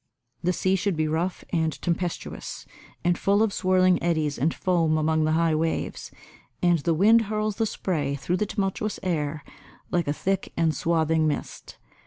The sea should be rough and tempestuous, and full of swirling eddies and foam among the high waves, and the wind hurls the spray through the tumultuous air like a thick and swathing mist.